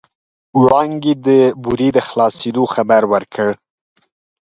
وړانګې د بورې د خلاصېدو خبر ورکړ.